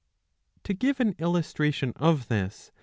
To give an illustration of this.